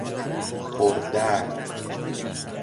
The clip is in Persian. پر درد